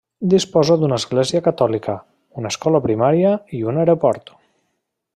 Disposa d'una església catòlica, una escola primària i un aeroport.